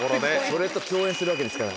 それと共演するわけですから。